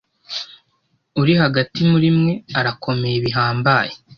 uri hagati muri mwe arakomeye bihambaye